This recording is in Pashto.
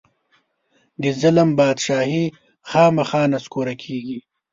د ظلم بادچاهي خامخا نسکوره کېږي.